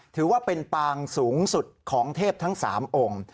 ถือว่าเป็นปางสูงสุดของเทพทั้ง๓องค์